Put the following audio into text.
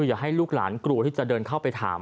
อย่าให้ลูกหลานกลัวที่จะเดินเข้าไปถาม